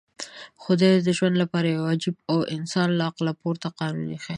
خدای د ژوند لپاره يو عجيب او د انسان له عقله پورته قانون ايښی.